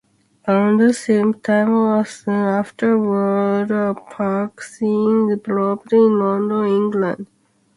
Around the same time or soon afterward, a punk scene developed in London, England.